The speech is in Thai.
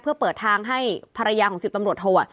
เพื่อเปิดทางให้ภรรยาของ๑๐ตำรวจโท